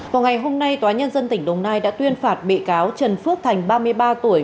vào ngày hôm nay tòa nhân dân tỉnh đồng nai đã tuyên phạt bị cáo trần phước thành ba mươi ba tuổi